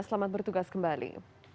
selamat bertugas kembali